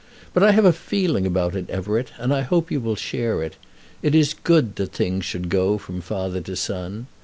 "But I have a feeling about it, Everett; and I hope you will share it. It is good that things should go from father to son.